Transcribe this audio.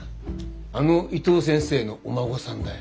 あの伊藤先生のお孫さんだよ。